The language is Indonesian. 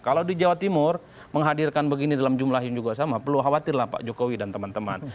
kalau di jawa timur menghadirkan begini dalam jumlah yang juga sama perlu khawatir lah pak jokowi dan teman teman